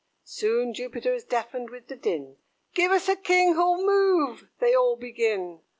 Soon Jupiter is deafened with the din "Give us a king who'll move," they all begin.